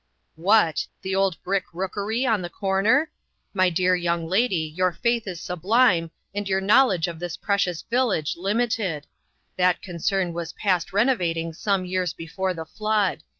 "What! the old brick rookery on the 1 66 INTERRUPTED. corner? My dear young ladj , your faith is sublime, and your knowledge of this precious village limited! That concern was past reno vating some years before the flood.